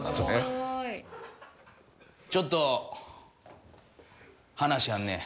ちょっと話あんねん。